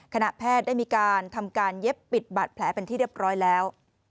คณะแพทย์ได้มีการทำการเย็บปิดบาดแผลเป็นที่เรียบร้อยแล้ว